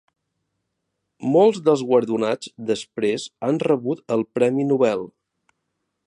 Molts dels guardonats després han rebut el Premi Nobel.